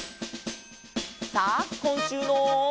さあこんしゅうの。